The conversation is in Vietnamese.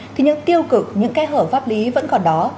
thì những tiêu cực những cái hở pháp lý vẫn còn đó